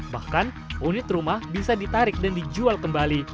bahkan unit rumah bisa ditarik dan dijual kembali